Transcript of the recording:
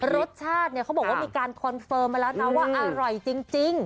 รสชาติเนี่ยเขาบอกว่ามีการคอนเฟิร์มมาแล้วนะว่าอร่อยจริง